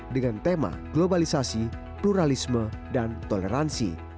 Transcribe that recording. dengan tema globalisasi pluralisme dan toleransi